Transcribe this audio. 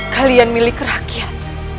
kalian milik rakyat